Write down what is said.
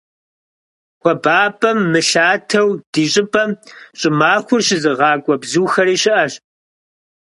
Хуабапӏэм мылъатэу ди щӏыпӏэм щӏымахуэр щызыгъакӏуэ бзухэри щыӏэщ.